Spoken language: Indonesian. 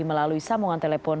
melalui samungan telepon